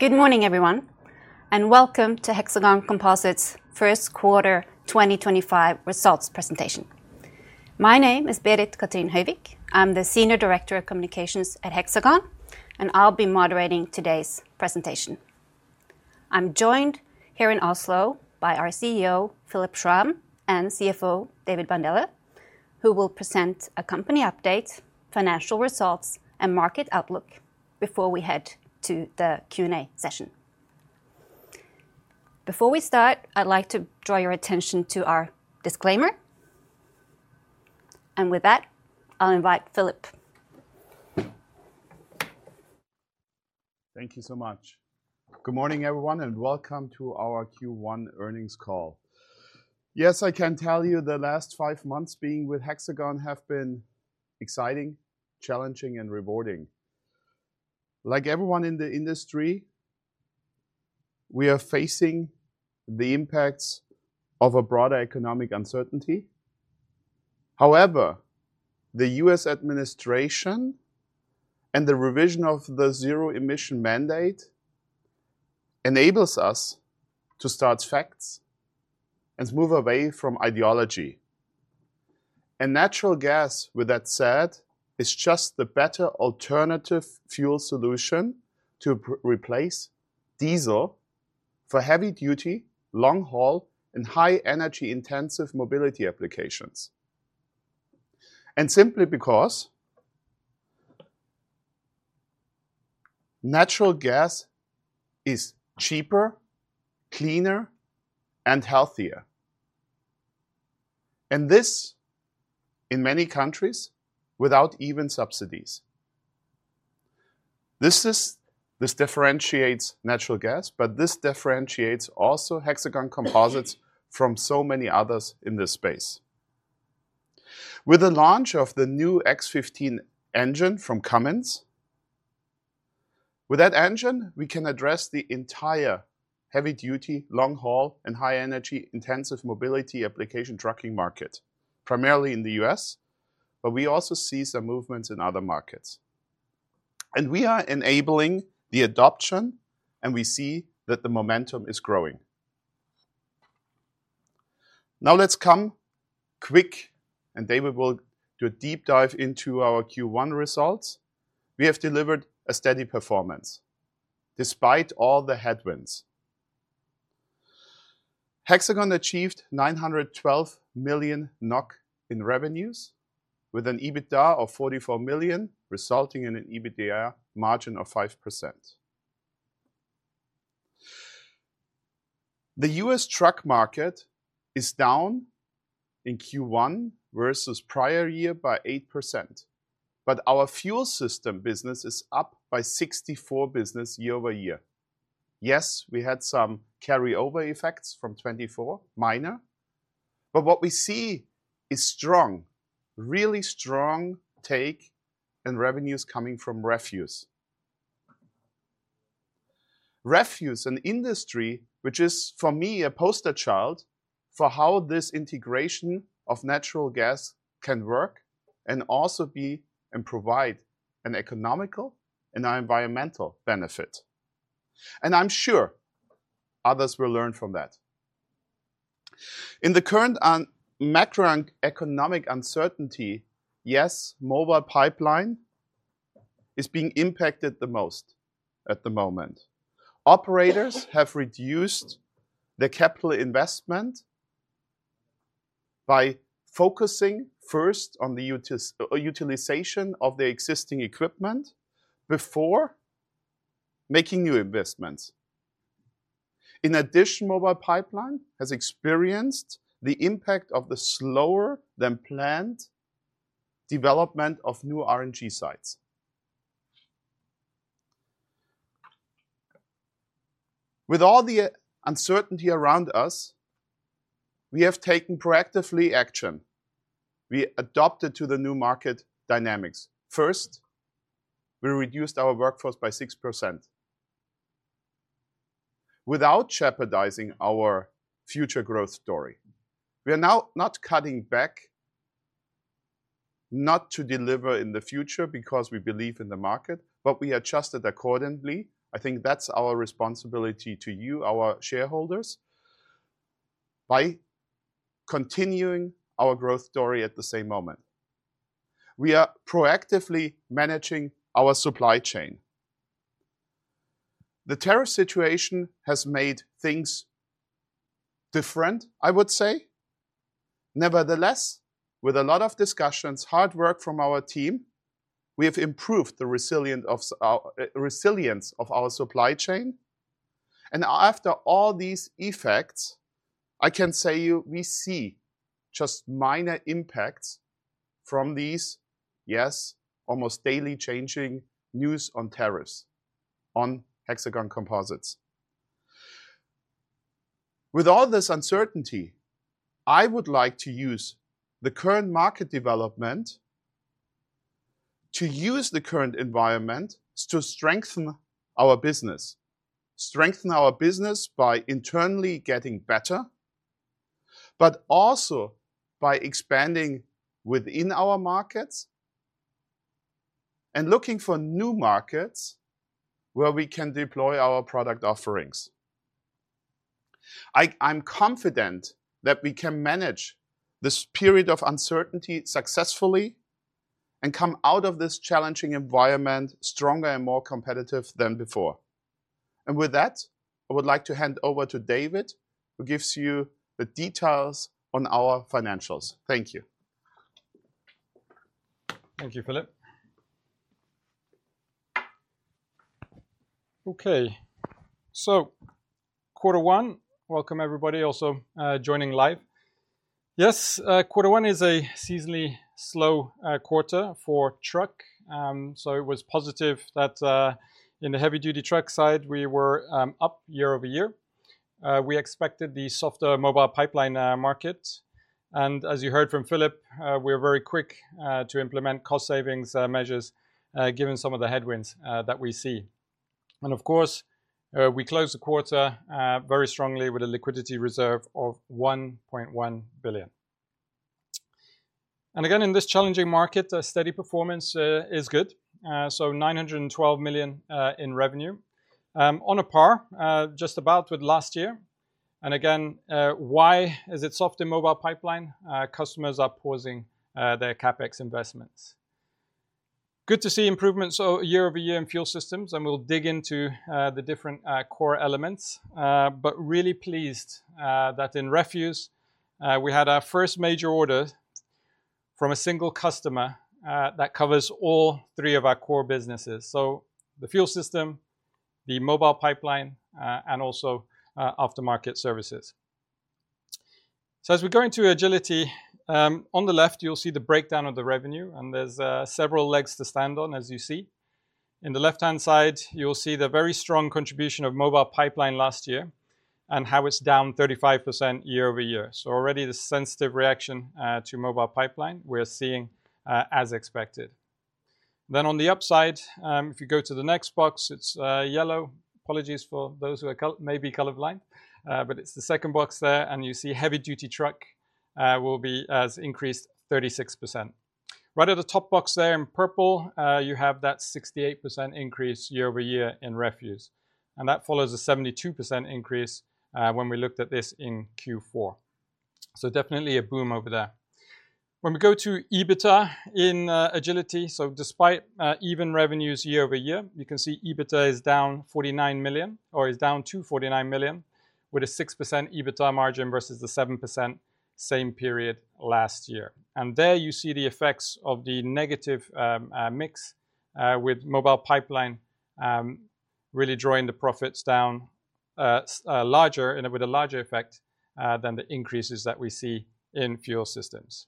Good morning, everyone, and welcome to Hexagon Composites' first quarter 2025 results presentation. My name is Berit-Cathrin Høyvik. I'm the Senior Director of Communications at Hexagon, and I'll be moderating today's presentation. I'm joined here in Oslo by our CEO, Philipp Schramm, and CFO, David Bandele, who will present a company update, financial results, and market outlook before we head to the Q&A session. Before we start, I'd like to draw your attention to our disclaimer. With that, I'll invite Philipp. Thank you so much. Good morning, everyone, and welcome to our Q1 earnings call. Yes, I can tell you the last five months being with Hexagon have been exciting, challenging, and rewarding. Like everyone in the industry, we are facing the impacts of a broader economic uncertainty. However, the U.S. administration and the revision of the zero-emission mandate enables us to start facts and move away from ideology. Natural gas, with that said, is just the better alternative fuel solution to replace diesel for heavy-duty, long-haul, and high-energy-intensive mobility applications. Simply because natural gas is cheaper, cleaner, and healthier. This in many countries without even subsidies. This differentiates natural gas, but this differentiates also Hexagon Composites from so many others in this space. With the launch of the new X15 engine from Cummins, with that engine, we can address the entire heavy-duty, long-haul, and high-energy-intensive mobility application trucking market, primarily in the U.S., but we also see some movements in other markets. We are enabling the adoption, and we see that the momentum is growing. Now let's come quick, and David will do a deep dive into our Q1 results. We have delivered a steady performance despite all the headwinds. Hexagon achieved 912 million NOK in revenues with an EBITDA of 44 million, resulting in an EBITDA margin of 5%. The U.S. truck market is down in Q1 versus prior year by 8%, but our fuel system business is up by 64% year over year. Yes, we had some carryover effects from 2024, minor, but what we see is strong, really strong take and revenues coming from refuse. Refuse, an industry which is for me a poster child for how this integration of natural gas can work and also be and provide an economical and environmental benefit. I am sure others will learn from that. In the current macroeconomic uncertainty, yes, mobile pipeline is being impacted the most at the moment. Operators have reduced their capital investment by focusing first on the utilization of their existing equipment before making new investments. In addition, mobile pipeline has experienced the impact of the slower-than-planned development of new RNG sites. With all the uncertainty around us, we have taken proactive action. We adopted to the new market dynamics. First, we reduced our workforce by 6% without jeopardizing our future growth story. We are now not cutting back, not to deliver in the future because we believe in the market, but we adjusted accordingly. I think that's our responsibility to you, our shareholders, by continuing our growth story at the same moment. We are proactively managing our supply chain. The tariff situation has made things different, I would say. Nevertheless, with a lot of discussions, hard work from our team, we have improved the resilience of our supply chain. After all these effects, I can say we see just minor impacts from these, yes, almost daily changing news on tariffs on Hexagon Composites. With all this uncertainty, I would like to use the current market development to use the current environment to strengthen our business, strengthen our business by internally getting better, but also by expanding within our markets and looking for new markets where we can deploy our product offerings. I'm confident that we can manage this period of uncertainty successfully and come out of this challenging environment stronger and more competitive than before. With that, I would like to hand over to David, who gives you the details on our financials. Thank you. Thank you, Philipp. Okay, quarter one, welcome everybody also joining live. Yes, quarter one is a seasonally slow quarter for truck. It was positive that in the heavy-duty truck side, we were up year over year. We expected the softer mobile pipeline market. As you heard from Philipp, we were very quick to implement cost savings measures given some of the headwinds that we see. Of course, we closed the quarter very strongly with a liquidity reserve of 1.1 billion. In this challenging market, steady performance is good. 912 million in revenue on a par just about with last year. Why is it soft in mobile pipeline? Customers are pausing their CapEx investments. Good to see improvements year over year in fuel systems, and we'll dig into the different core elements, but really pleased that in refuse, we had our first major order from a single customer that covers all three of our core businesses. So the fuel system, the mobile pipeline, and also aftermarket services. As we go into Agility, on the left, you'll see the breakdown of the revenue, and there's several legs to stand on, as you see. On the left-hand side, you'll see the very strong contribution of mobile pipeline last year and how it's down 35% year over year. Already the sensitive reaction to mobile pipeline we're seeing as expected. On the upside, if you go to the next box, it's yellow. Apologies for those who are maybe colorblind, but it's the second box there, and you see heavy-duty truck will be as increased 36%. Right at the top box there in purple, you have that 68% increase year over year in refuse. That follows a 72% increase when we looked at this in Q4. Definitely a boom over there. When we go to EBITDA in Agility, despite even revenues year over year, you can see EBITDA is down to 49 million with a 6% EBITDA margin versus the 7% same period last year. There you see the effects of the negative mix with mobile pipeline really drawing the profits down larger and with a larger effect than the increases that we see in fuel systems.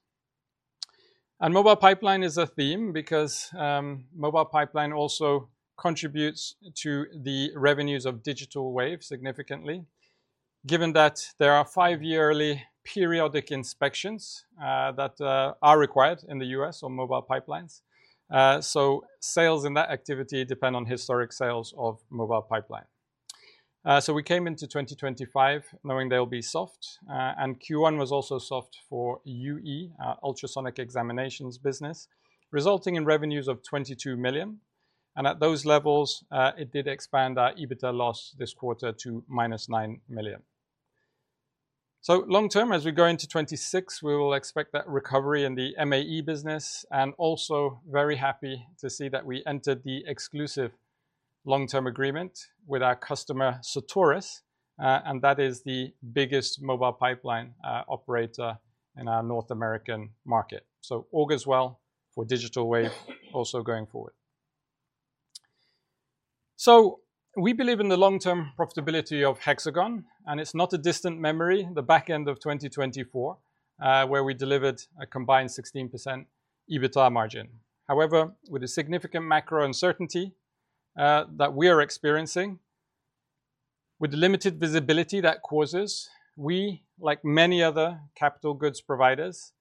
Mobile pipeline is a theme because mobile pipeline also contributes to the revenues of Digital Wave significantly, given that there are five-yearly periodic inspections that are required in the U.S. on mobile pipelines. Sales in that activity depend on historic sales of mobile pipeline. We came into 2025 knowing they will be soft, and Q1 was also soft for UE, ultrasonic examinations business, resulting in revenues of 22 million. At those levels, it did expand our EBITDA loss this quarter to -9 million. Long term, as we go into 2026, we will expect that recovery in the MAE business. Also very happy to see that we entered the exclusive long-term agreement with our customer Sotoris, and that is the biggest mobile pipeline operator in our North American market. All goes well for Digital Wave also going forward. We believe in the long-term profitability of Hexagon, and it is not a distant memory, the back end of 2024, where we delivered a combined 16% EBITDA margin. However, with the significant macro uncertainty that we are experiencing, with the limited visibility that causes, we, like many other capital goods providers,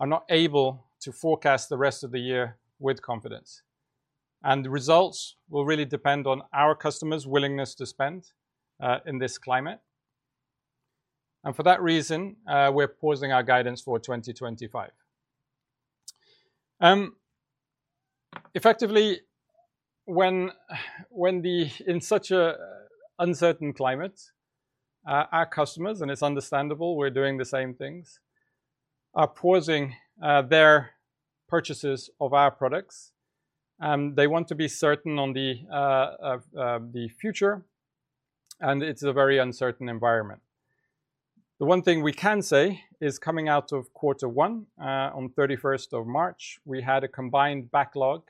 are not able to forecast the rest of the year with confidence. The results will really depend on our customers' willingness to spend in this climate. For that reason, we're pausing our guidance for 2025. Effectively, when in such an uncertain climate, our customers, and it's understandable we're doing the same things, are pausing their purchases of our products, they want to be certain on the future, and it's a very uncertain environment. The one thing we can say is coming out of quarter one, on 31st of March, we had a combined backlog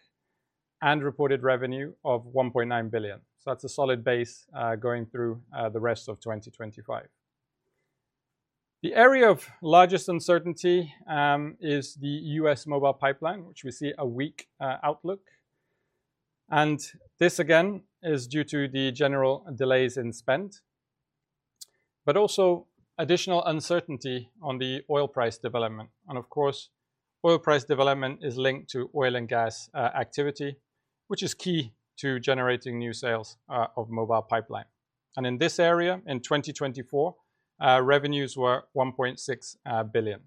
and reported revenue of 1.9 billion. That's a solid base going through the rest of 2025. The area of largest uncertainty is the U.S. Mobile pipeline, which we see a weak outlook. This again is due to the general delays in spend, but also additional uncertainty on the oil price development. Of course, oil price development is linked to oil and gas activity, which is key to generating new sales of mobile pipeline. In this area, in 2024, revenues were 1.6 billion.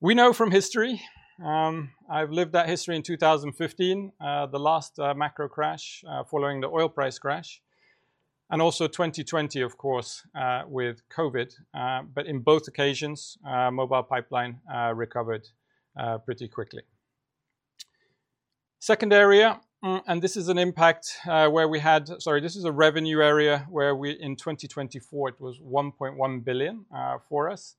We know from history, I've lived that history in 2015, the last macro crash following the oil price crash, and also 2020, of course, with COVID. In both occasions, mobile pipeline recovered pretty quickly. Second area, and this is an impact where we had, sorry, this is a revenue area where in 2024 it was 1.1 billion for us.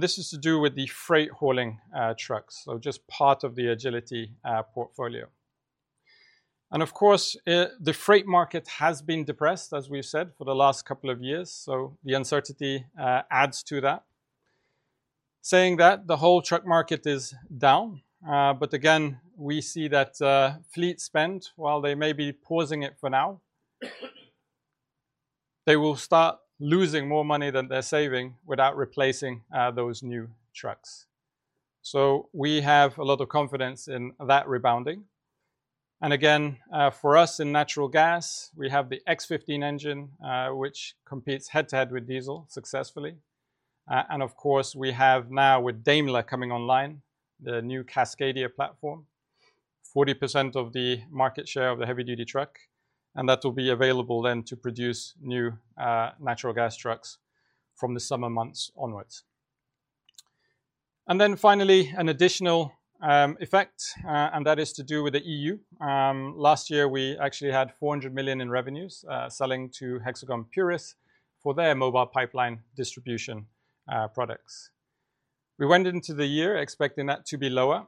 This is to do with the freight hauling trucks, so just part of the Agility portfolio. Of course, the freight market has been depressed, as we've said, for the last couple of years. The uncertainty adds to that. Saying that, the whole truck market is down. Again, we see that fleet spend, while they may be pausing it for now, they will start losing more money than they're saving without replacing those new trucks. We have a lot of confidence in that rebounding. Again, for us in natural gas, we have the X15 engine, which competes head-to-head with diesel successfully. We have now with Daimler coming online, the new Cascadia platform, 40% of the market share of the heavy-duty truck, and that will be available then to produce new natural gas trucks from the summer months onwards. Finally, an additional effect, and that is to do with the EU. Last year, we actually had 400 million in revenues selling to Hexagon Purus for their mobile pipeline distribution products. We went into the year expecting that to be lower,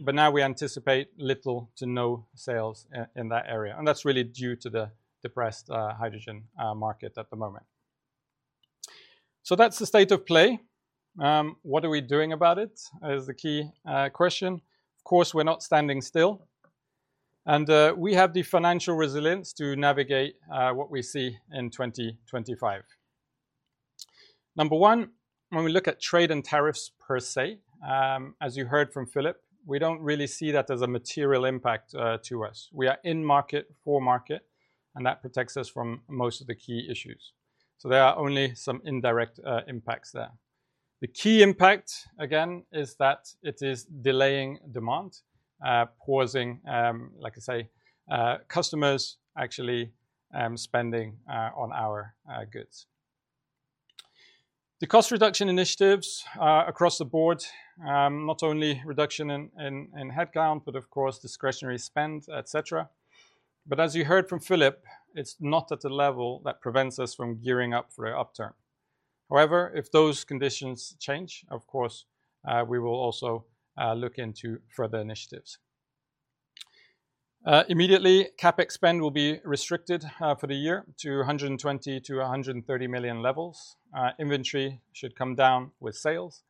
but now we anticipate little to no sales in that area. That is really due to the depressed hydrogen market at the moment. That is the state of play. What are we doing about it is the key question. Of course, we are not standing still, and we have the financial resilience to navigate what we see in 2025. Number one, when we look at trade and tariffs per se, as you heard from Philip, we do not really see that as a material impact to us. We are in market for market, and that protects us from most of the key issues. There are only some indirect impacts there. The key impact, again, is that it is delaying demand, pausing, like I say, customers actually spending on our goods. The cost reduction initiatives across the board, not only reduction in headcount, but of course, discretionary spend, et cetera. As you heard from Philip, it's not at a level that prevents us from gearing up for an upturn. However, if those conditions change, of course, we will also look into further initiatives. Immediately, CapEx spend will be restricted for the year to 120 million-130 million levels. Inventory should come down with sales.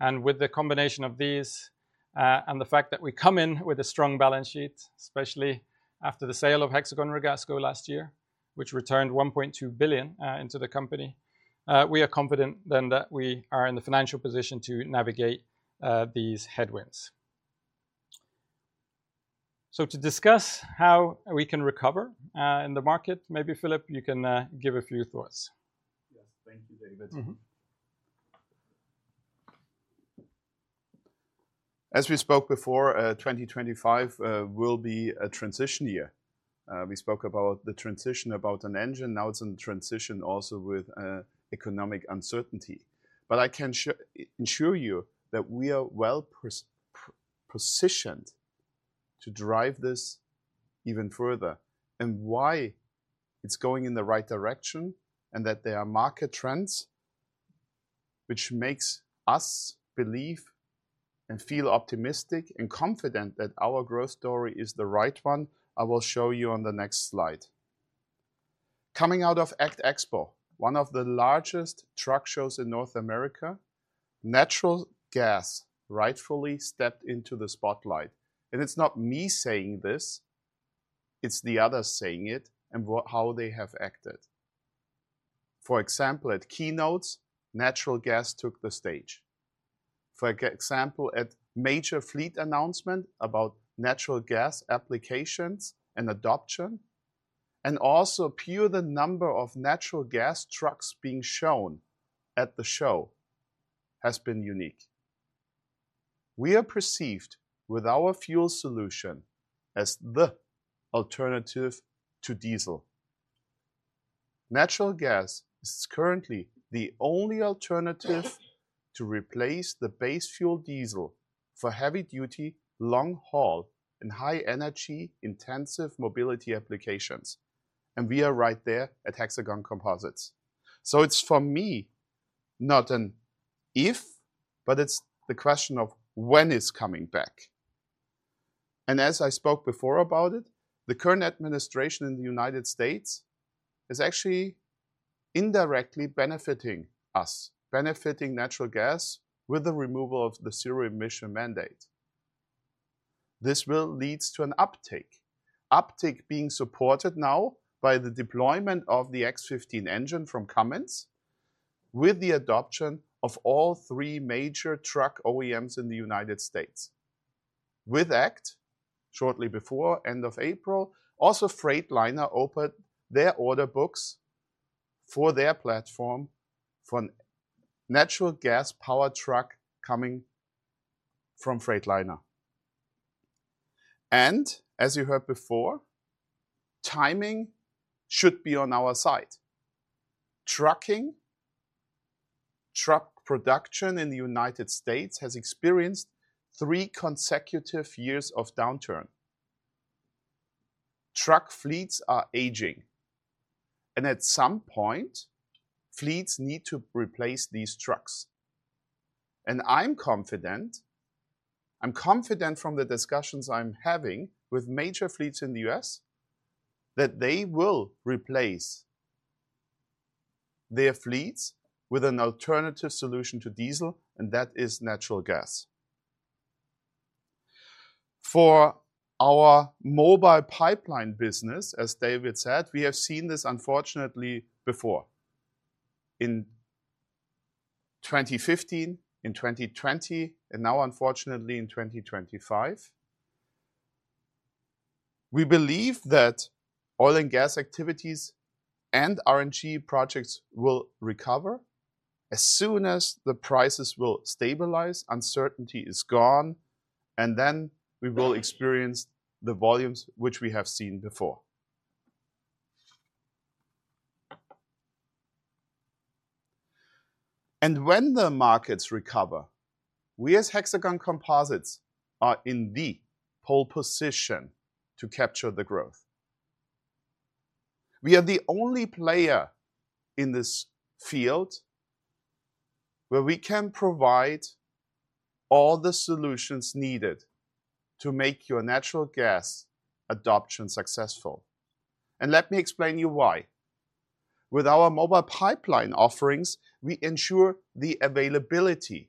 With the combination of these and the fact that we come in with a strong balance sheet, especially after the sale of Hexagon Ragasco last year, which returned 1.2 billion into the company, we are confident then that we are in the financial position to navigate these headwinds. To discuss how we can recover in the market, maybe Philipp, you can give a few thoughts. Yes, thank you, David. As we spoke before, 2025 will be a transition year. We spoke about the transition about an engine. Now it is in transition also with economic uncertainty. I can ensure you that we are well positioned to drive this even further and why it is going in the right direction and that there are market trends which make us believe and feel optimistic and confident that our growth story is the right one. I will show you on the next slide. Coming out of ACT Expo, one of the largest truck shows in North America, natural gas rightfully stepped into the spotlight. It is not me saying this, it is the others saying it and how they have acted. For example, at keynotes, natural gas took the stage. For example, a major fleet announcement about natural gas applications and adoption, and also purely the number of natural gas trucks being shown at the show has been unique. We are perceived with our fuel solution as the alternative to diesel. Natural gas is currently the only alternative to replace the base fuel diesel for heavy-duty, long-haul, and high-energy intensive mobility applications. We are right there at Hexagon Composites. It is for me not an if, but it is the question of when it is coming back. As I spoke before about it, the current administration in the U.S. is actually indirectly benefiting us, benefiting natural gas with the removal of the zero-emission mandate. This will lead to an uptake, uptake being supported now by the deployment of the X15 engine from Cummins with the adoption of all three major truck OEMs in the U.S. With ACT, shortly before end of April, also Freightliner opened their order books for their platform for natural gas power truck coming from Freightliner. As you heard before, timing should be on our side. Trucking, truck production in the U.S. has experienced three consecutive years of downturn. Truck fleets are aging, and at some point, fleets need to replace these trucks. I'm confident, I'm confident from the discussions I'm having with major fleets in the U.S. that they will replace their fleets with an alternative solution to diesel, and that is natural gas. For our mobile pipeline business, as David said, we have seen this unfortunately before. In 2015, in 2020, and now unfortunately in 2025, we believe that oil and gas activities and RNG projects will recover as soon as the prices will stabilize, uncertainty is gone, and then we will experience the volumes which we have seen before. When the markets recover, we as Hexagon Composites are in the pole position to capture the growth. We are the only player in this field where we can provide all the solutions needed to make your natural gas adoption successful. Let me explain to you why. With our mobile pipeline offerings, we ensure the availability.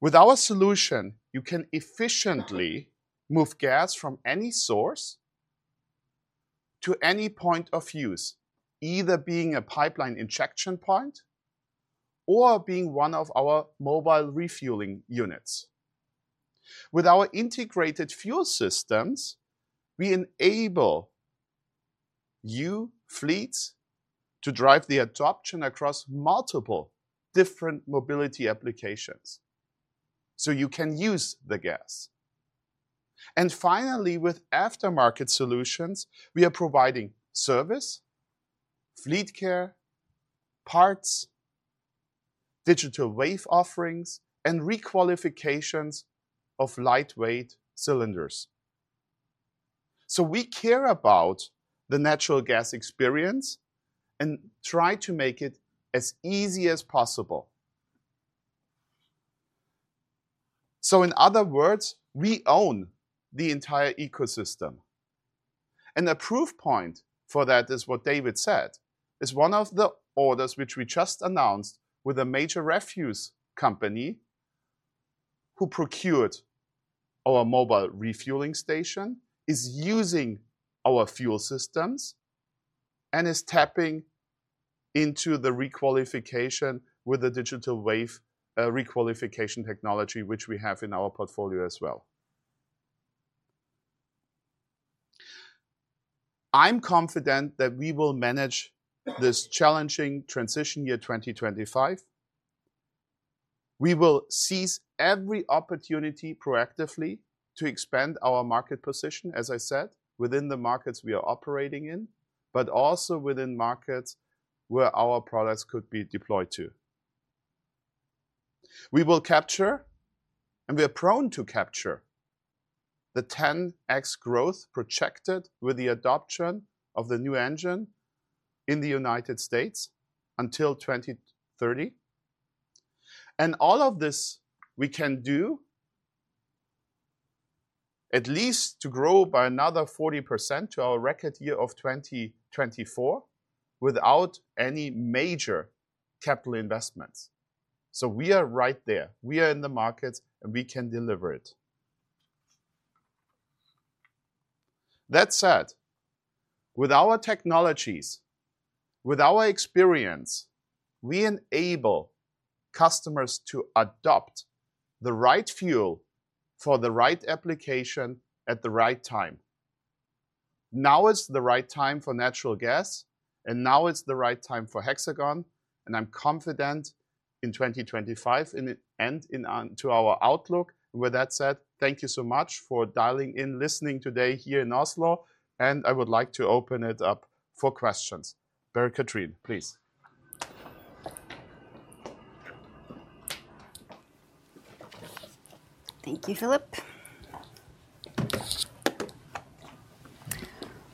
With our solution, you can efficiently move gas from any source to any point of use, either being a pipeline injection point or being one of our mobile refueling units. With our integrated fuel systems, we enable you, fleets, to drive the adoption across multiple different mobility applications. You can use the gas. Finally, with aftermarket solutions, we are providing service, fleet care, parts, Digital Wave offerings, and requalifications of lightweight cylinders. We care about the natural gas experience and try to make it as easy as possible. In other words, we own the entire ecosystem. A proof point for that is what David said, one of the orders which we just announced with a major refuse company who procured our mobile refueling station, is using our fuel systems and is tapping into the requalification with the Digital Wave requalification technology, which we have in our portfolio as well. I'm confident that we will manage this challenging transition year 2025. We will seize every opportunity proactively to expand our market position, as I said, within the markets we are operating in, but also within markets where our products could be deployed to. We will capture, and we are prone to capture, the 10X growth projected with the adoption of the new engine in the United States until 2030. All of this we can do at least to grow by another 40% to our record year of 2024 without any major capital investments. We are right there. We are in the markets and we can deliver it. That said, with our technologies, with our experience, we enable customers to adopt the right fuel for the right application at the right time. Now it is the right time for natural gas, and now it is the right time for Hexagon. I am confident in 2025 and into our outlook. With that said, thank you so much for dialing in, listening today here in Oslo. I would like to open it up for questions. Berit-Cathrin, please. Thank you, Philipp.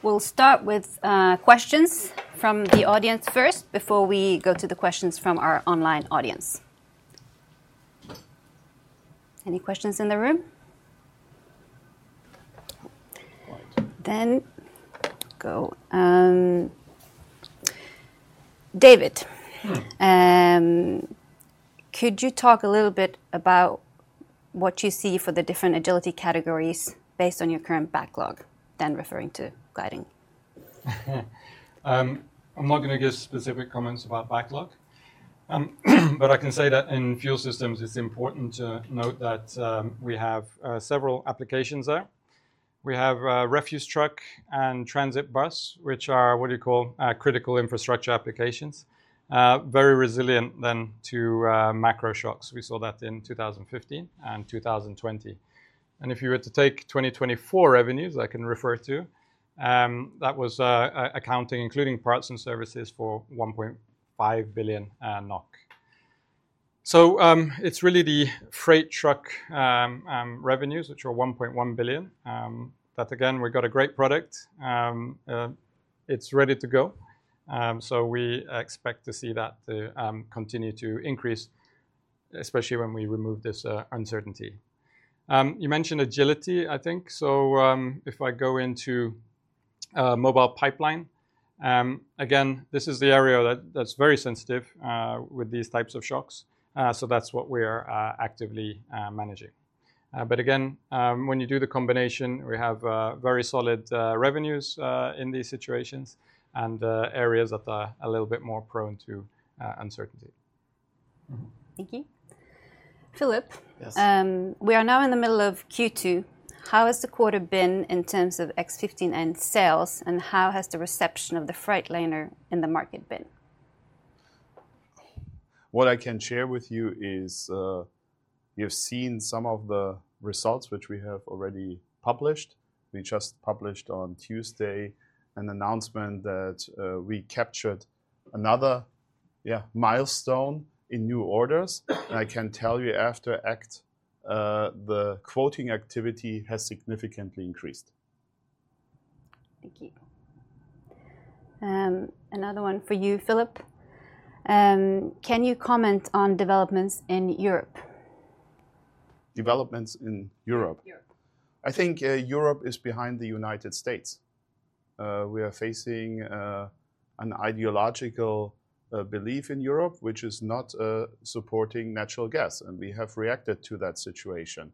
We'll start with questions from the audience first before we go to the questions from our online audience. Any questions in the room? Go ahead. David, could you talk a little bit about what you see for the different Agility categories based on your current backlog, then referring to guiding? I'm not going to give specific comments about backlog, but I can say that in fuel systems, it's important to note that we have several applications there. We have refuse truck and transit bus, which are what you call critical infrastructure applications, very resilient then to macro shocks. We saw that in 2015 and 2020. If you were to take 2024 revenues, I can refer to that was accounting, including parts and services for 1.5 billion NOK. It's really the freight truck revenues, which are 1.1 billion. That again, we've got a great product. It's ready to go. We expect to see that continue to increase, especially when we remove this uncertainty. You mentioned Agility, I think. If I go into mobile pipeline, again, this is the area that's very sensitive with these types of shocks. That's what we are actively managing. When you do the combination, we have very solid revenues in these situations and areas that are a little bit more prone to uncertainty. Thank you. Philipp. We are now in the middle of Q2. How has the quarter been in terms of X15 and sales, and how has the reception of the Freightliner in the market been? What I can share with you is you've seen some of the results which we have already published. We just published on Tuesday an announcement that we captured another milestone in new orders. I can tell you after ACT, the quoting activity has significantly increased. Thank you. Another one for you, Philipp. Can you comment on developments in Europe? Developments in Europe? I think Europe is behind the United States. We are facing an ideological belief in Europe, which is not supporting natural gas. We have reacted to that situation.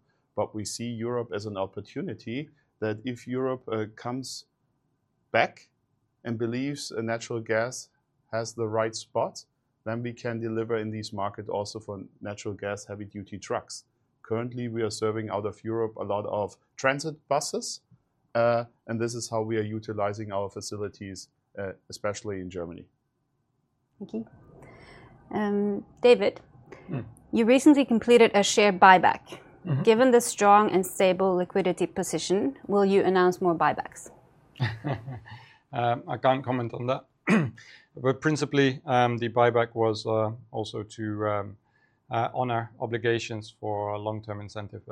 We see Europe as an opportunity that if Europe comes back and believes natural gas has the right spot, then we can deliver in these markets also for natural gas heavy-duty trucks. Currently, we are serving out of Europe a lot of transit buses, and this is how we are utilizing our facilities, especially in Germany. Thank you. David, you recently completed a share buyback. Given the strong and stable liquidity position, will you announce more buybacks? I can't comment on that. Principally, the buyback was also to honor obligations for long-term incentive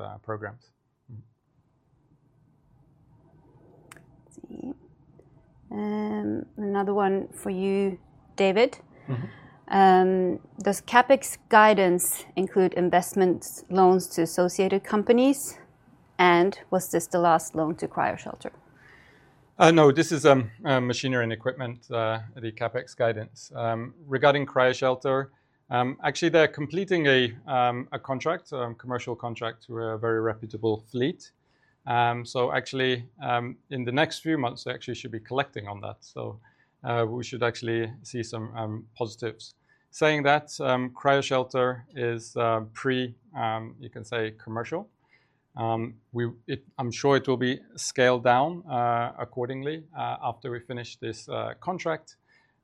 programs. Another one for you, David. Does CapEx guidance include investment loans to associated companies? Was this the last loan to CryoShelter? No, this is machinery and equipment, the CapEx guidance. Regarding CryoShelter, actually, they are completing a contract, a commercial contract to a very reputable fleet. Actually, in the next few months, they should be collecting on that. We should see some positives. Saying that, CryoShelter is pre, you can say, commercial. I am sure it will be scaled down accordingly after we finish this contract.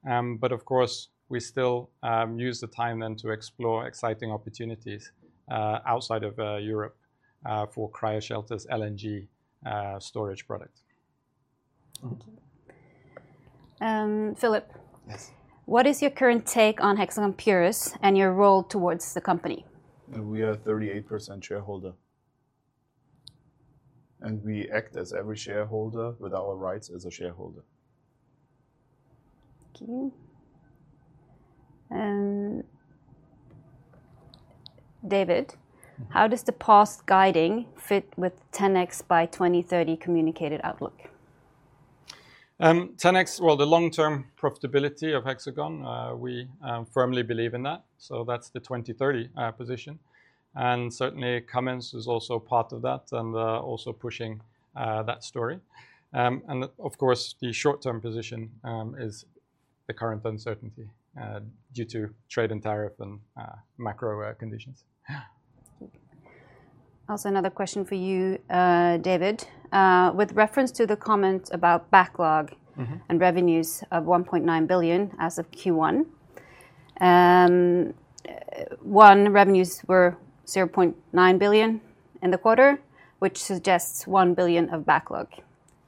Of course, we still use the time then to explore exciting opportunities outside of Europe for CryoShelter's LNG storage product. Thank you, Philipp. What is your current take on Hexagon Purus and your role towards the company? We are a 38% shareholder. We act as every shareholder with our rights as a shareholder. Thank you. David, how does the past guiding fit with 10X by 2030 communicated outlook? 10X, the long-term profitability of Hexagon, we firmly believe in that. That is the 2030 position. Cummins is also part of that and also pushing that story. The short-term position is the current uncertainty due to trade and tariff and macro conditions. Also another question for you, David. With reference to the comment about backlog and revenues of 1.9 billion as of Q1, revenues were 0.9 billion in the quarter, which suggests 1 billion of backlog.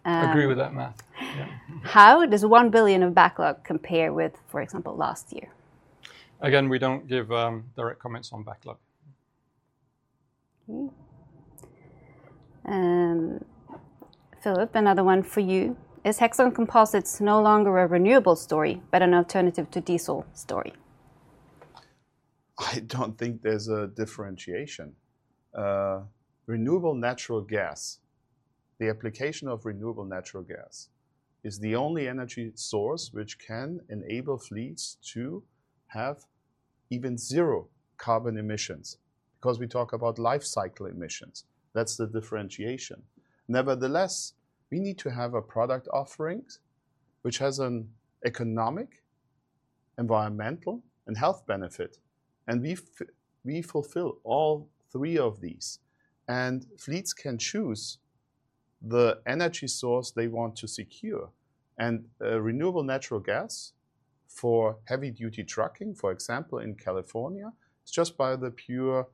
Agree with that math. How does 1 billion of backlog compare with, for example, last year? Again, we don't give direct comments on backlog. Philipp, another one for you. Is Hexagon Composites no longer a renewable story but an alternative to diesel story? I don't think there's a differentiation. Renewable natural gas, the application of renewable natural gas, is the only energy source which can enable fleets to have even zero carbon emissions because we talk about life cycle emissions. That's the differentiation. Nevertheless, we need to have a product offering which has an economic, environmental, and health benefit. We fulfill all three of these. Fleets can choose the energy source they want to secure. Renewable natural gas for heavy-duty trucking, for example, in California, is just by the pure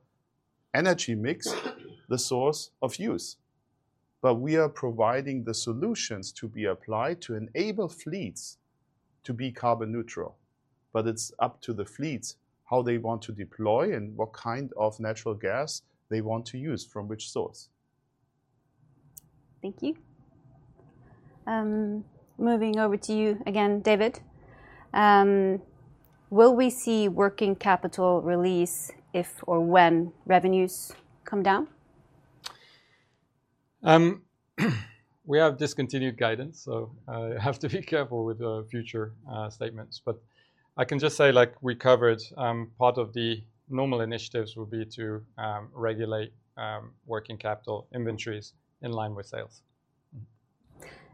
energy mix, the source of use. We are providing the solutions to be applied to enable fleets to be carbon neutral. It is up to the fleets how they want to deploy and what kind of natural gas they want to use from which source. Thank you. Moving over to you again, David. Will we see working capital release if or when revenues come down? We have discontinued guidance, so I have to be careful with future statements. I can just say, like we covered, part of the normal initiatives will be to regulate working capital inventories in line with sales.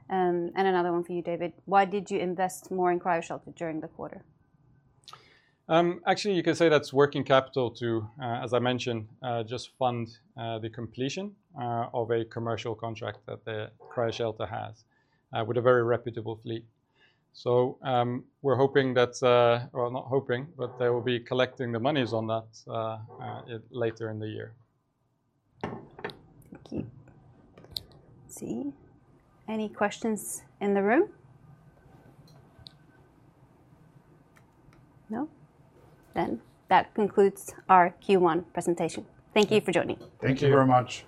Another one for you, David. Why did you invest more in CryoShelter during the quarter? Actually, you can say that's working capital to, as I mentioned, just fund the completion of a commercial contract that CryoShelter has with a very reputable fleet. We are hoping that, not hoping, but they will be collecting the monies on that later in the year. Thank you. Let's see. Any questions in the room? No? That concludes our Q1 presentation. Thank you for joining. Thank you very much.